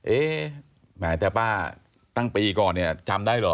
แหมแต่ป้าตั้งปีก่อนเนี่ยจำได้เหรอ